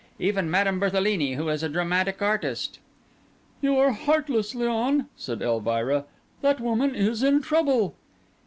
Even Madame Berthelini, who is a dramatic artist!" "You are heartless, Léon," said Elvira; "that woman is in trouble."